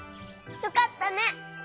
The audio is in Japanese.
よかったね！